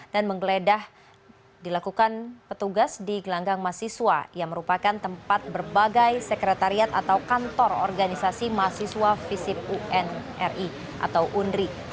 dan menggeledah dilakukan petugas di gelanggang mahasiswa yang merupakan tempat berbagai sekretariat atau kantor organisasi mahasiswa visip unri